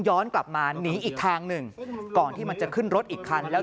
ย้อนกลับมาหนีอีกทางหนึ่งก่อนที่มันจะขึ้นรถอีกคันแล้ว